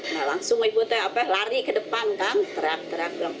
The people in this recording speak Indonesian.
nah langsung ibu lari ke depan kan teriak teriak